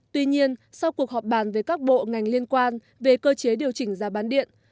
tuy nhiên sau cuộc họp bàn về các bộ ngành liên quan về cơ chế điều chỉnh giá bán lẻ bình quân